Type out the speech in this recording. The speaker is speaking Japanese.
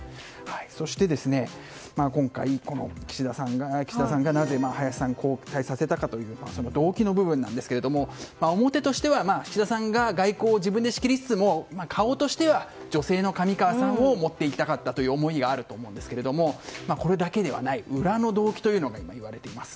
そして、今回岸田さんがなぜ林さんを交代させたのかの動機の部分ですが、表としては岸田さんが外交を自分で仕切りつつも顔としては女性の上川さんを持っていきたかったという思いがあると思うんですがこれだけではない裏の動機が言われています。